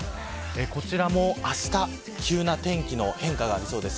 こちらもあした急な天気の変化がありそうです。